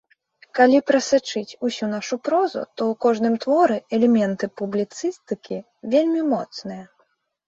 Калі прасачыць усю нашу прозу, то ў кожным творы элементы публіцыстыкі вельмі моцныя.